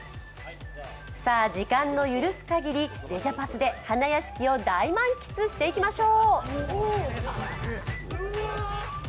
時間の許すかぎり、レジャパス！で花やしきを大満喫していきましょう。